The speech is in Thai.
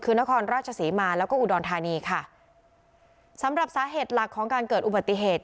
คือนครราชศรีมาแล้วก็อุดรธานีค่ะสำหรับสาเหตุหลักของการเกิดอุบัติเหตุ